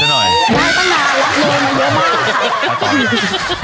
ได้ตั้งนานรับมือมาเยอะมากค่ะ